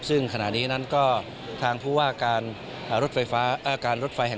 ซึ่งขณะนี้ทางภูว่าการรถไฟของ